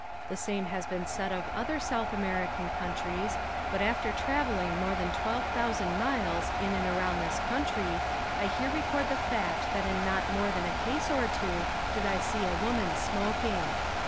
The same has been said of other South American countries but after traveling more than twelve thousand miles in and around this country I here record the fact that in not more than a case or two did I see a woman smoking.